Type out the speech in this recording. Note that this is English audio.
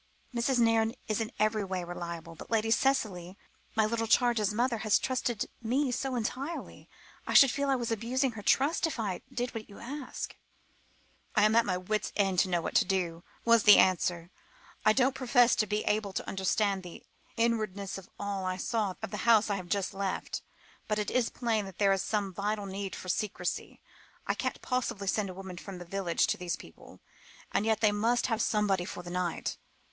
"Mrs. Nairne is in every way reliable, but Lady Cicely, my little charge's mother, has trusted me so entirely, I should feel I was abusing her trust if I did what you ask." "I am at my wits' end to know what to do," was the answer. "I don't profess to be able to understand the inwardness of all I saw at the house I have just left, but it is plain that there is some vital need for secrecy. I can't possibly send a woman from the village to these people, and yet they must have somebody for the night.